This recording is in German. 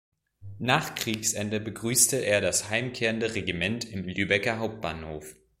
Nach Kriegsende begrüßte er das heimkehrende Regiment im Lübecker Hauptbahnhof.